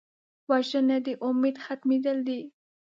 وژنه د امید ختمېدل دي